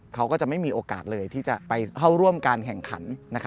เขาก็จะไม่มีโอกาสเลยที่จะไปเข้าร่วมการแข่งขัน